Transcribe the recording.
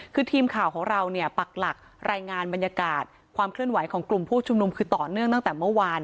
คือทีมข่าวของเราเนี่ยปักหลักรายงานบรรยากาศความเคลื่อนไหวของกลุ่มผู้ชุมนุมคือต่อเนื่องตั้งแต่เมื่อวาน